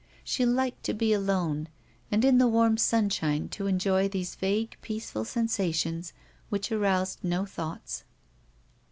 She liked to be alone, and in the warm sunshine, to enjoy these vague, peaceful sensations which aroused no thoughts.